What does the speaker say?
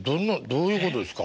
どういうことですか？